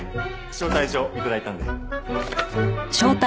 招待状頂いたんで。